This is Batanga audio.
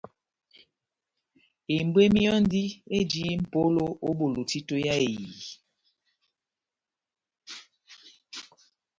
Ebwemi yɔ́ndi eji mʼpolo ó bolo títo yá ehiyi.